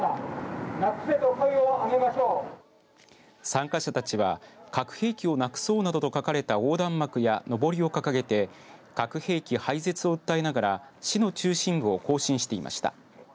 参加者たちは核兵器をなくそうなどと書かれた横断幕やのぼりを掲げて核兵器廃絶を訴えながら市の中心部を行進していました。